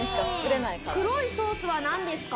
黒いソースは何ですか？